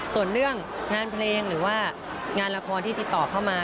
ส่วนเรื่องงานเพลงหรือว่างานละครที่ติดต่อเข้ามา